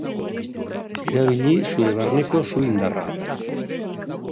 Erabili zure barneko su indarra.